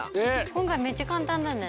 今回めっちゃ簡単だね。